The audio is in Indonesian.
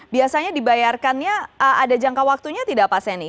biasanya dibayarkannya ada jangka waktunya tidak pak seni